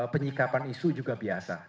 penyikapan isu juga biasa